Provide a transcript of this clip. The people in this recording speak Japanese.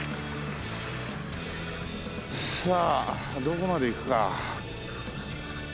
さあどこまで行くか。